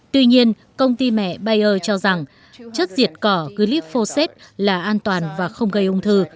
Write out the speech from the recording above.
tuy nhiên công ty mẹ bayer cho rằng chất diệt cỏ clip phoset là an toàn và không gây ung thư